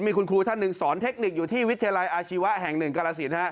มีคุณครูท่านหนึ่งสอนเทคนิคอยู่ที่วิทยาลัยอาชีวะแห่งหนึ่งกรสิน